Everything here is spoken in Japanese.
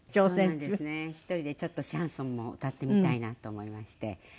１人でちょっとシャンソンも歌ってみたいなと思いまして。